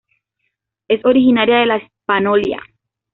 Es originaria de La Hispaniola.